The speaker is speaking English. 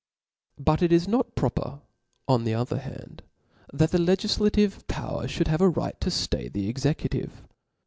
But it is not proper, on the other hand, that the legillative power (hould have a right to flay the executive.